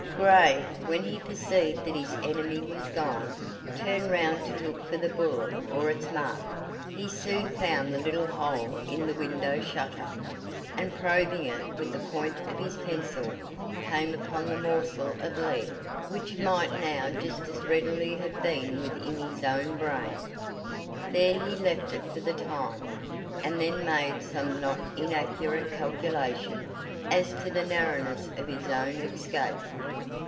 Grey, when he perceived that his enemy was gone, turned round to look for the bullet or its mark. He soon found the little hole in the window shutter, and probing it with the point of his pencil, came upon the morsel of lead which might now just as readily have been within his own brain. There he left it for the time, and then made some not inaccurate calculation as to the narrowness of his own escape.